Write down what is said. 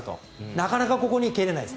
なかなかここに蹴れないです。